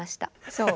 そう。